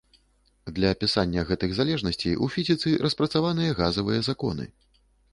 Для апісання гэтых залежнасцей у фізіцы распрацаваныя газавыя законы.